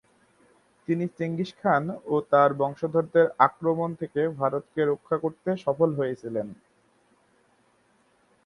তিনি Genghis Khan ও তার বংশধরদের আক্রমণ থেকে ভারতকে রক্ষা করতে সফল হয়েছিলেন।